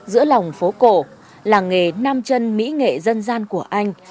giữa lòng phố cổ làng nghề nam chân mỹ nghệ dân gian của anh